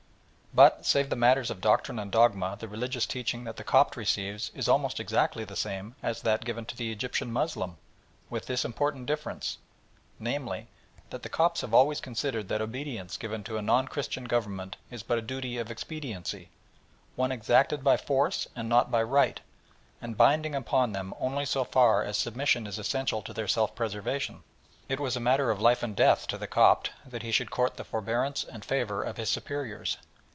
But save in matters of doctrine and dogma the religious teaching that the Copt receives is almost exactly the same as that given to the Egyptian Moslem, with this important difference, namely, that the Copts have always considered that obedience given to a non Christian Government is but a duty of expediency, one exacted by force and not by right, and binding upon them only so far as submission is essential to their self preservation. It was a matter of life and death to the Copt that he should court the forbearance and favour of his superiors.